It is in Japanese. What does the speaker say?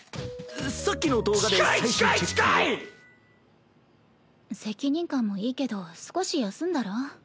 さっきの動画で責任感もいいけど少し休んだら？